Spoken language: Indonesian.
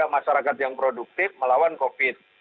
masyarakat yang produktif melawan covid